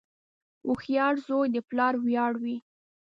• هوښیار زوی د پلار ویاړ وي.